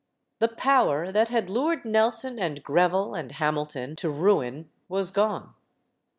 The power that had lured Nelson and Greville and Hamilton to ruin was gone.